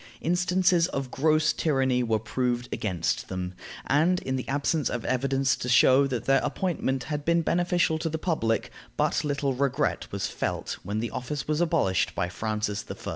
Instances of gross tyranny were proved against them, and, in the absence of evidence to show that their appointment had been beneficial to the public, but little regret was felt when the office was abolished by Francis I.